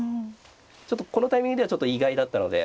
ちょっとこのタイミングでは意外だったのであの。